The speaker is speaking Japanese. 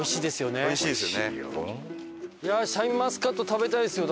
いやシャインマスカット食べたいですよ。